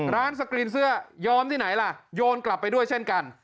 สกรีนเสื้อยอมที่ไหนล่ะโยนกลับไปด้วยเช่นกัน